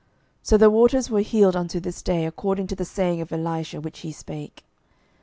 12:002:022 So the waters were healed unto this day, according to the saying of Elisha which he spake.